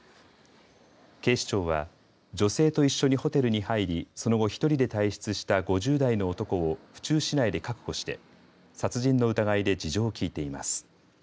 警視庁は女性と一緒にホテルに入りその後、１人で退出した５０代の男を府中市内で確保して殺人の疑いで事情を聴いています。